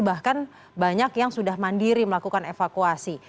bahkan banyak yang sudah mandiri melakukan evakuasi